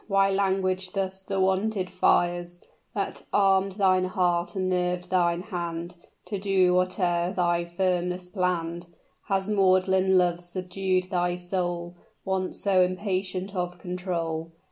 Why languish thus the wonted fires That arm'd thine heart and nerved thine hand To do whate'er thy firmness planned? Has maudlin love subdued thy soul, Once so impatient of control?